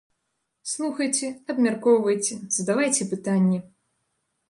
Слухайце, абмяркоўвайце, задавайце пытанні!